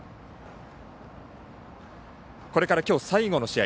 これから今日最後の試合